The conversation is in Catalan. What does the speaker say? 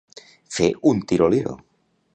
Fer un tiroliro.